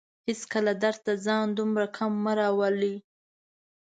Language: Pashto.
هيڅکله درد ته ځان دومره کم مه راولئ